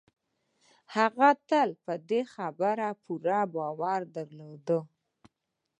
هغه تل په دې يوه خبره پوره باور درلود.